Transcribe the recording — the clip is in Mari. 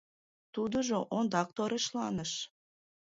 Тудыжо ондак торешланыш.